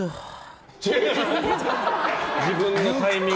自分のタイミング。